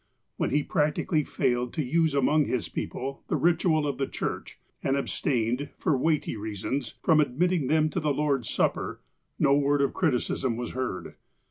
When he practically failed to use among his people the ritual of the church, and abstained, for weighty reasons, from ad mitting them to the Lord's Supper, no word of criticism was heard.